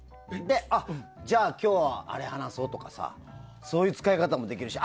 じゃあ今日は、あれ話そうとかそういう使い方もできるし。